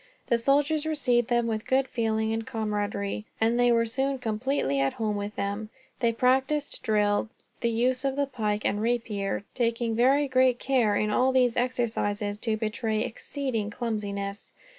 The soldiers received them with good feeling and camaraderie, and they were soon completely at home with them. They practiced drill, the use of the pike and rapier; taking very great care, in all these exercises, to betray exceeding clumsiness.